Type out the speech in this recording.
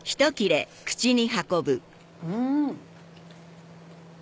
うん！